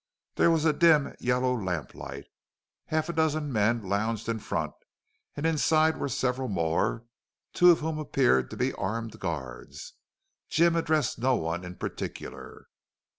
There was a dim, yellow lamplight. Half a dozen men lounged in front, and inside were several more, two of whom appeared to be armed guards. Jim addressed no one in particular.